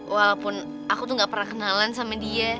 walaupun aku tuh gak pernah kenalan sama dia